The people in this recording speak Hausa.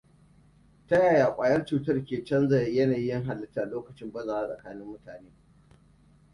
Ta yaya ƙwayar cutar ke canza yanayi halita lokacin bazawa tsakanin mutane?